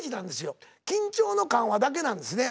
緊張の緩和だけなんですね